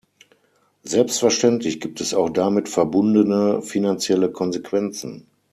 Selbstverständlich gibt es auch damit verbundene finanzielle Konsequenzen.